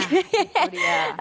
nah itu dia